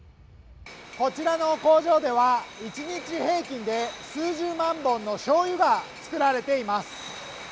こちらの工場では１日平均で数十万本の醤油が作られています。